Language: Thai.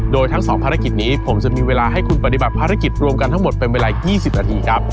โดยทั้งสองภารกิจนี้ผมจะมีเวลาให้คุณปฏิบัติภารกิจรวมกันทั้งหมดเป็นเวลา๒๐นาทีครับ